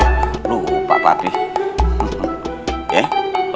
oh lupa lupa pih